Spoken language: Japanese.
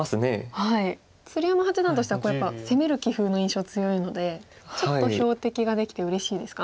鶴山八段としてはやっぱり攻める棋風の印象強いのでちょっと標的ができてうれしいですか？